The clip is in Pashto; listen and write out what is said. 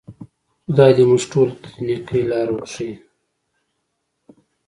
خدای دې موږ ټولو ته د نیکۍ لار وښیي.